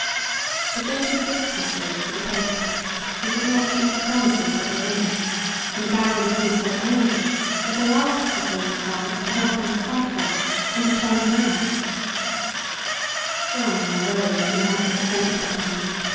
] But though he fixed his seal to the paper he did not keep the promises that were in it, and the barons grew so angry that they asked the King of France to help them to fight John, and to turn him out. [Illustration: ROBIN HOOD] John ran away when he heard that the French were coming.